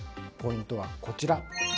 ポイントはこちら。